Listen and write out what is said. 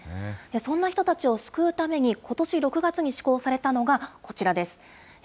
そんな人たちを救うために、ことし６月に施行されたのが、こちらです。